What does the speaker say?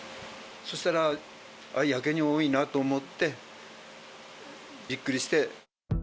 そしたら、やけに多いなと思って、びっくりして。